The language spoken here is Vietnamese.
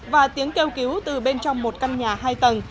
và tiếng kêu cứu từ bên trong một căn nhà hai tầng